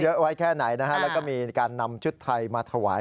ไว้แค่ไหนนะฮะแล้วก็มีการนำชุดไทยมาถวาย